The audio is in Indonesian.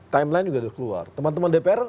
timeline juga sudah keluar teman teman dpr